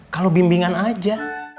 kalau bimbingan aja